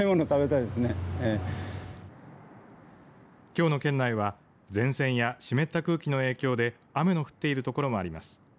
きょうの県内は前線や湿った空気の影響で雨の降っている所もあります。